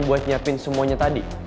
gue nyiapin semuanya tadi